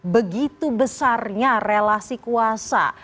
begitu besarnya relasi kuasa